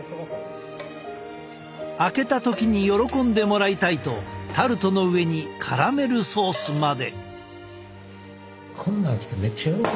開けた時に喜んでもらいたいとタルトの上にカラメルソースまで。